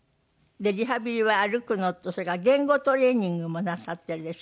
でリハビリは歩くのとそれから言語トレーニングもなさってるでしょ？